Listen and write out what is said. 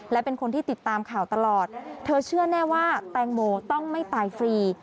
และเป็นคนที่ติดตามข่าวตลอดเธอเชื่อแน่ว่าแตงโมต้องไม่ตายฟรี